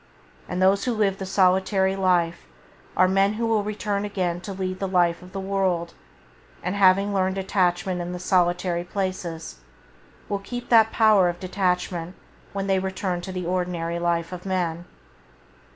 And those who live the solitary life are men who will return again to lead the life of the world, and having learned detachment in the solitary places will keep that power of detachment when they return to the ordinary life of men.